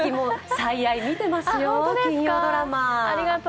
「最愛」見てますよ、金曜ドラマ。